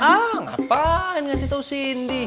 ah ngapain kasih tau sindi